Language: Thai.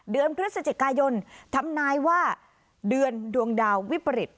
เดือนพฤศจิกายนทำนายว่าเดือนดวงดาววิปริต